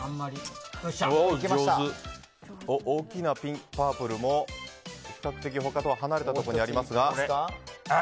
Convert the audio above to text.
大きなパープルも比較的、他とは離れたところにありますが。